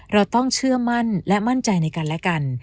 เราต้องเชื่อมั่นและมั่นใจในกันและกัน